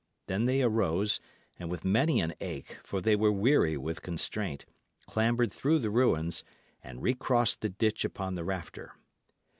Then they arose, and with many an ache, for they were weary with constraint, clambered through the ruins, and recrossed the ditch upon the rafter.